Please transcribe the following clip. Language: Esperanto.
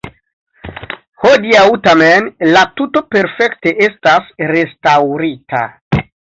Hodiaŭ tamen la tuto perfekte estas restaŭrita.